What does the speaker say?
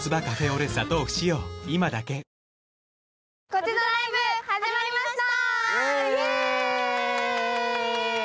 「コジドライブ」始まりました。